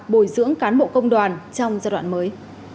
bồi dưỡng cán bộ công đoàn trong giai đoạn mới